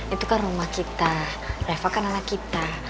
itu kan rumah kita reva kan anak kita